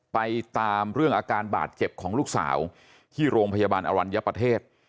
ไปตามเรื่องอาการบาดเจ็บของลูกสาวที่โรงพยาบาลอรัญญประเทศ